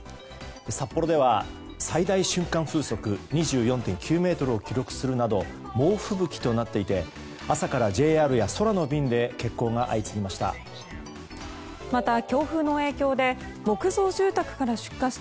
札幌では最大瞬間風速２４．９メートルを記録するなど猛吹雪となっていて朝からＪＲや空の便で欠航が相次ぎました。